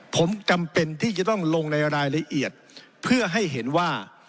ผมจำเป็นที่จะต้องลงในรายละเอียดเพื่อให้เห็นว่า